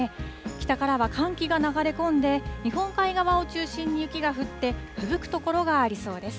北からは寒気が流れ込んで、日本海側を中心に雪が降って、ふぶく所がありそうです。